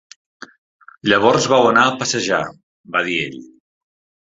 "Llavors vau anar a passejar", va dir ell.